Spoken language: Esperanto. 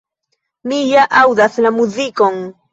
Mi ja aŭdas la muzikon!”.